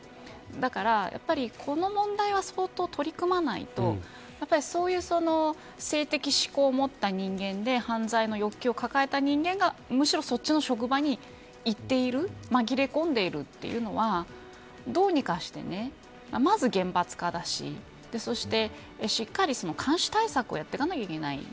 だからこの問題は相当取り組まないとそういう性的嗜好を持った人間で犯罪の欲求を抱えた人間がむしろそっちの職場にいっている紛れ込んでいるというのはどうにかして、まず厳罰化だしそして、しっかり監視対策をやっていかなきゃいけない。